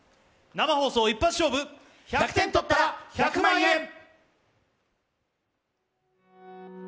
生放送一発勝負、１００点とったら１００万円！